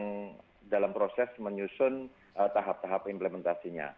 yang dalam proses menyusun tahap tahap implementasinya